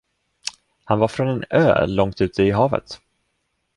Han var från en ö långt ute i havet.